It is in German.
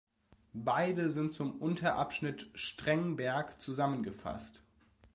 Beide sind zum Unterabschnitt Strengberg zusammengefasst.